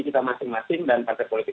kita masing masing dan partai politik